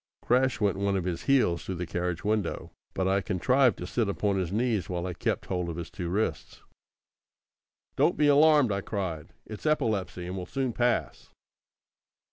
Crash went one of his heels through the carriage window, but I contrived to sit upon his knees while I kept hold of his two wrists. "Don't be alarmed!" I cried, "it's epilepsy, and will soon pass!"